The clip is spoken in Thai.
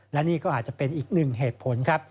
และนี่ก็อาจจะเป็นอีกหนึ่งเหตุผลครับ